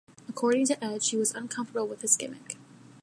According to Edge, he was uncomfortable with his gimmick.